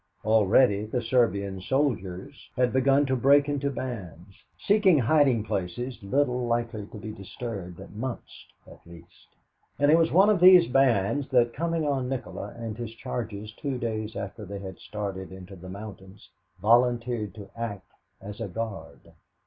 Already the Serbian soldiers had begun to break into bands, seeking hiding places little likely to be disturbed for months at least, and it was one of these bands that, coming on Nikola and his charges two days after they had started into the mountains, volunteered to act as a guard.